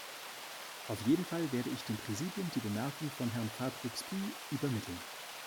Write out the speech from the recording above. Auf jeden Fall werde ich dem Präsidium die Bemerkung von Herrn Fabre-Aubrespy übermitteln.